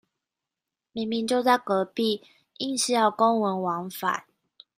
明明就在隔壁，硬是要公文往返